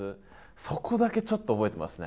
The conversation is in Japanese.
そこだけちょっと覚えてますね。